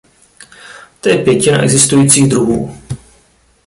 To je pětina existujících druhů.